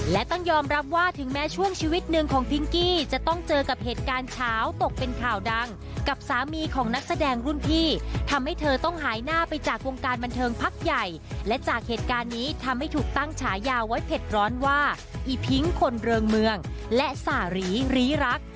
และต้องยอมรับว่าถึงแม้ช่วงชีวิตหนึ่งของพิงกี้จะต้องเจอกับเหตุการณ์เช้าตกเป็นข่าวดังกับสามีของนักแสดงรุ่นพี่ทำให้เธอต้องหายหน้าไปจากวงการบันเทิงพักใหญ่และจากเหตุการณ์นี้ทำให้ถูกตั้งฉายาไว้เผ็ดร้อนว่าอีพิ้งคนเริงเมืองและสารีรีรัก